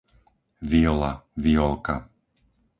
Viola, Violka